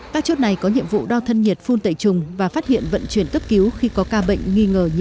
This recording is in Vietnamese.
các chốt này có nhiệm vụ đo thân nhiệt phun tẩy trùng và phát hiện vận chuyển cấp cứu khi có ca bệnh nghi ngờ nhiễm covid một